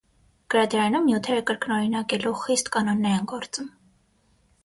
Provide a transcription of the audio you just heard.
Գրադարանում նյութերը կրկօրինակելու խիստ կանոններ են գործում։